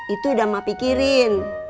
itu udah emak pikirin